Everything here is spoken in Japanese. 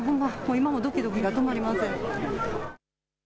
今もどきどきが止まりません。